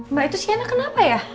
mbak itu siana kenapa ya